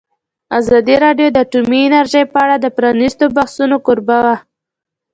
ازادي راډیو د اټومي انرژي په اړه د پرانیستو بحثونو کوربه وه.